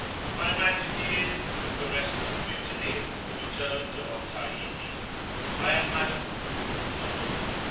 I imagine he is, with the rest of the mutineers, returned to Otaheite. I am, Madam, (Signed) 'WM.